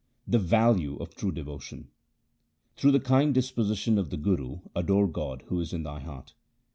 The value of true devotion :— Through the kind disposition of the Guru adore God who is in thy heart.